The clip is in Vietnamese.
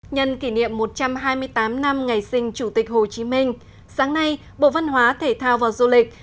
nhân kỷ niệm một trăm hai mươi tám năm ngày sinh chủ tịch hồ chí minh sáng nay bộ văn hóa thể thao và du lịch